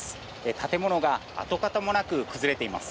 建物が跡形もなく崩れています。